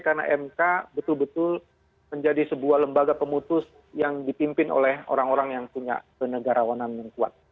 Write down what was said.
karena mk betul betul menjadi sebuah lembaga pemutus yang dipimpin oleh orang orang yang punya penegarawanan yang kuat